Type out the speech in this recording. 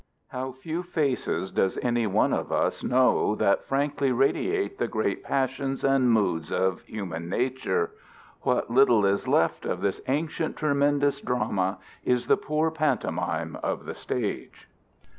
"How few faces does any one of us know that frankly radiate the great passions and moods of human nature! What little is left of this ancient tremendous drama is the poor pantomime of the stage.